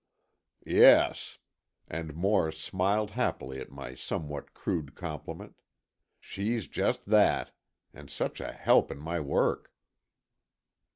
"Yes," and Moore smiled happily at my somewhat crude compliment. "She's just that. And such a help in my work."